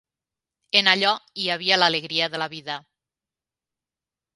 En allò hi havia l'alegria de la vida.